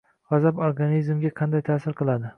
G’azab organizmga qanday tasir qiladi?